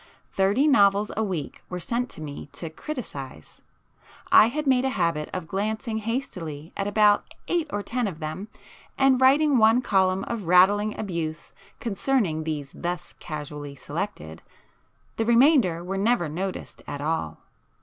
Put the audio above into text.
Thirty novels a week were sent to me to 'criticise,'—I made a habit of glancing hastily at about eight or ten of them, and writing one column of rattling abuse concerning these thus casually selected,—the remainder were never noticed at all.